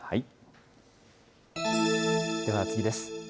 では次です。